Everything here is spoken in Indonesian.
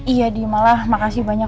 iya di malah makasih banyak